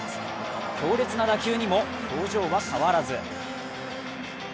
強烈な打球にも表情は変わらず。